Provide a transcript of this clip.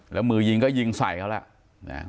แล้วมือยิงก็ยิงใส่เขาแล้ว